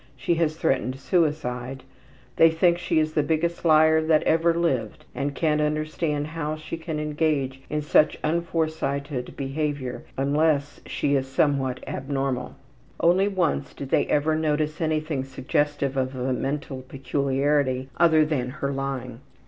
She has threatened suicide. They think she is the biggest liar that ever lived and can't understand how she can engage in such unforesighted behavior unless she is somewhat abnormal. Only once did they ever notice anything suggestive of a mental peculiarity other than her lying.